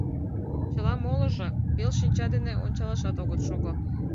Чыла молыжо — пел шинча дене ончалашат огыт шого.